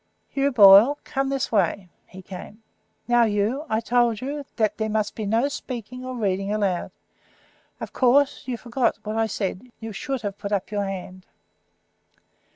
"Hugh Boyle, come this way." He came. "Now, Hugh, I told you that there must be no speaking or reading aloud. Of course you forgot what I said; you should have put up your hand."